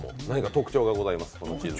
何か特徴がございます。